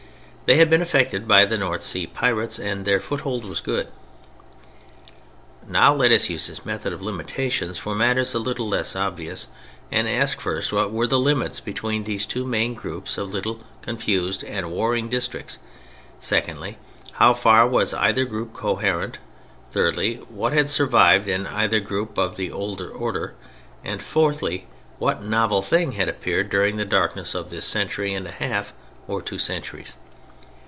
They had been effected by the North Sea pirates and their foothold was good. Now let us use this method of limitations for matters a little less obvious, and ask, first, what were the limits between these two main groups of little confused and warring districts; secondly, how far was either group coherent; thirdly, what had survived in either group of the old order; and, fourthly, what novel thing had appeared during the darkness of this century and a half or two centuries?